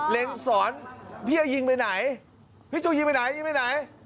เล็งสอนพี่จะยิงไปไหนพี่จูยิงไปไหนยิงไปไหน